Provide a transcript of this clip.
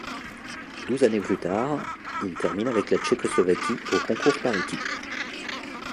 Douze années plus tard, il termine avec la Tchécoslovaquie au concours par équipes.